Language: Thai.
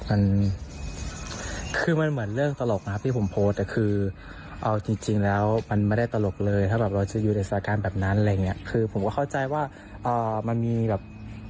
มันคือมันเหมือนเรื่องตลกนะครับที่ผมโพสต์แต่คือเอาจริงจริงแล้วมันไม่ได้ตลกเลยถ้าแบบเราจะอยู่ในสถานการณ์แบบนั้นอะไรอย่างเงี้ยคือผมก็เข้าใจว่ามันมีแบบ